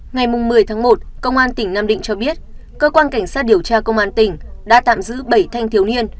ngày một mươi tháng một công an tỉnh nam định cho biết cơ quan cảnh sát điều tra công an tỉnh đã tạm giữ bảy thanh thiếu niên